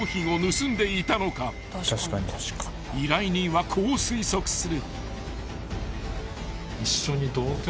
［依頼人はこう推測する］